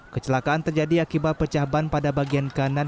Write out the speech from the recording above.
kecelakaan terjadi akibat pecah ban pada bagian kanan